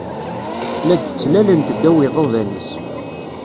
La d-ttlalent ddaw iḍuḍan-is